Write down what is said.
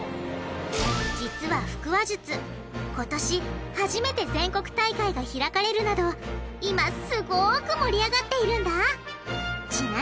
実は腹話術今年初めて全国大会が開かれるなど今すごく盛り上がっているんだ！